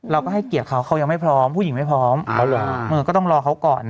เราก็ให้เกียรติเขาเขายังไม่พร้อมผู้หญิงไม่พร้อมก็ต้องรอเขาก่อน